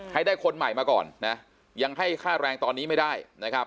ให้ได้คนใหม่มาก่อนนะยังให้ค่าแรงตอนนี้ไม่ได้นะครับ